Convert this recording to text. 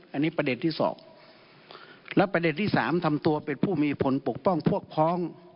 อันนี้ประเด็นที่สองและประเด็นที่สามทำตัวเป็นผู้มีผลปกป้องพวกพ้อง